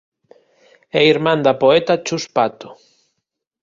É irmán da poeta Chus Pato.